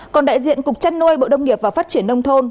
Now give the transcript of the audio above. còn đại diện cục chăn nuôi bộ đông nghiệp và phát triển nông thôn